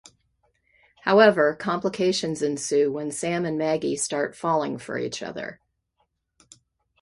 However, complications ensue when Sam and Maggie start falling for each other.